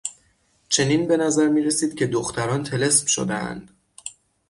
چنین به نظر میرسید که دختران طلسم شدهاند.